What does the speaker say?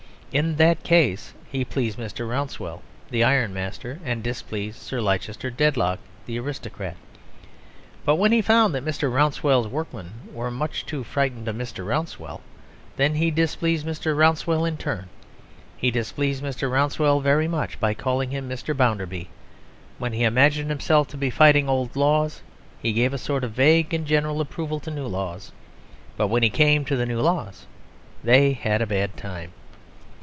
In that case he pleased Mr. Rouncewell, the Iron master, and displeased Sir Leicester Dedlock, the Aristocrat. But when he found that Mr. Rouncewell's workmen were much too frightened of Mr. Rouncewell, then he displeased Mr. Rouncewell in turn; he displeased Mr. Rouncewell very much by calling him Mr. Bounderby. When he imagined himself to be fighting old laws he gave a sort of vague and general approval to new laws. But when he came to the new laws they had a bad time.